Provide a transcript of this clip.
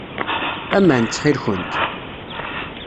Aman, ttxil-kent.